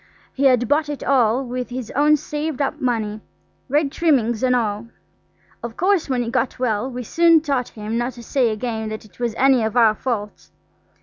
He had bought it all with his own saved up money, red trimmings and all. Of course, when he got well we soon taught him not to say again that it was any of our faults.